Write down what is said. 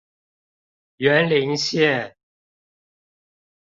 員林線